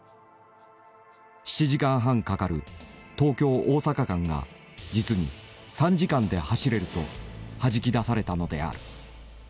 ７時間半かかる東京大阪間が実に３時間で走れるとはじき出されたのである。